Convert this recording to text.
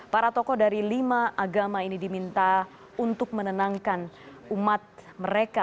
para tokoh dari lima agama ini diminta untuk menenangkan umat mereka